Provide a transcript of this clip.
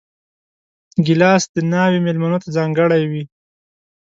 ګیلاس د ناوې مېلمنو ته ځانګړی وي.